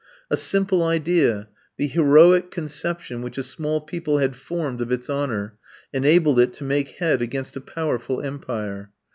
A simple idea, the heroic conception which a small people had formed of its honour, enabled it to make head against a powerful empire.